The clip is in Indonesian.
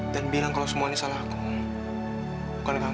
dan bilang kalau semua ini salah aku bukan kamu